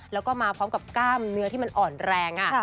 แล้วก็มาพร้อมกับกล้ามเนื้อที่มันอ่อนแรง